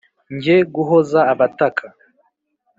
njye guhoza abataka,